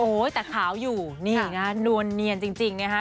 โอ้ยแต่ขาวอยู่นี่ค่ะนวลเนียนจริงจริงนะคะ